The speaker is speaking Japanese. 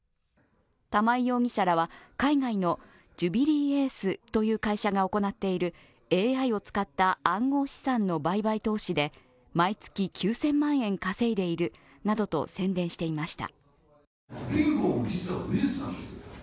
玉井容疑者らは海外のジュビリーエースという会社が行っている、ＡＩを使った暗号資産の売買投資で毎月９０００万円稼いでいるなどと宣伝していました。